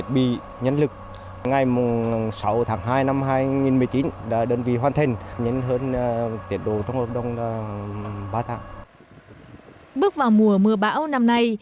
bước vào mùa mưa bão năm nay